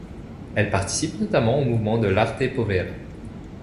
Elle participe notamment au mouvement de l'Arte Povera.